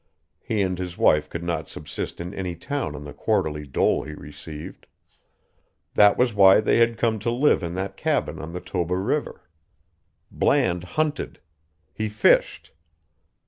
He and his wife could not subsist in any town on the quarterly dole he received. That was why they had come to live in that cabin on the Toba River. Bland hunted. He fished.